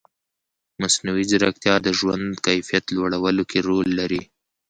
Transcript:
مصنوعي ځیرکتیا د ژوند کیفیت لوړولو کې رول لري.